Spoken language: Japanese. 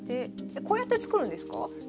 こうやって作るんですか？